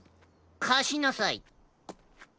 かしなさい。